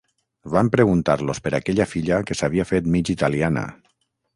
Van preguntar-los per aquella filla que s'havia fet mig italiana...